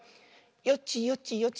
よちよちよち。